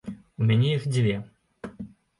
У мяне іх дзве.